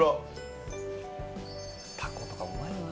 タコとかうまいよな。